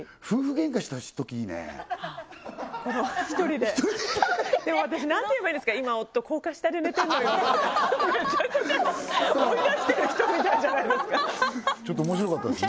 げんかしたときいいね１人ででも私何て言えばいいんですか今夫高架下で寝てんのよってめちゃくちゃ追い出してる人みたいじゃないですかちょっと面白かったですね